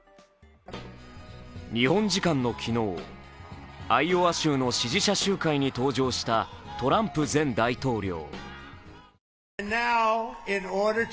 日本時間の昨日、アイオワ州の支持者集会に登場したトランプ前大統領。